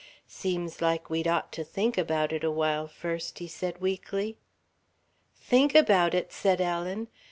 "'Seems like we'd ought to think about it a while first," he said weakly. "Think about it!" said Ellen.